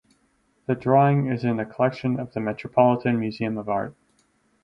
The drawing is in the collection of the Metropolitan Museum of Art.